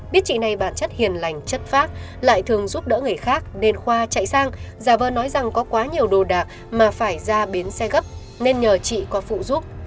biết chị này bản chất hiền lành chất phát lại thường giúp đỡ người khác nên khoa chạy sang giả vờ nói rằng có quá nhiều đồ đạc mà phải ra bến xe gấp nên nhờ chị qua phụ giúp